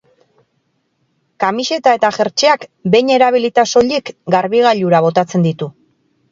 Kamiseta eta jertseak behin erabilita soilik garbigailura botatzen ditu.